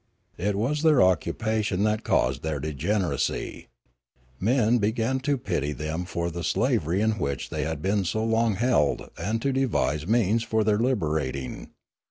It was their occupation that caused their degeneracy. Men began to pity them for the slavery in which they had been so long held and to devise means for their liberating.